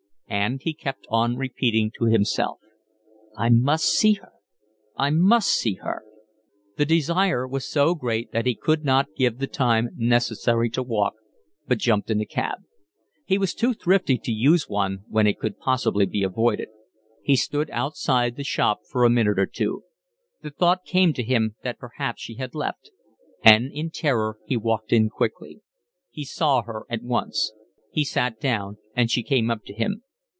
And he kept on repeating to himself: "I must see her. I must see her." The desire was so great that he could not give the time necessary to walk, but jumped in a cab. He was too thrifty to use one when it could possibly be avoided. He stood outside the shop for a minute or two. The thought came to him that perhaps she had left, and in terror he walked in quickly. He saw her at once. He sat down and she came up to him.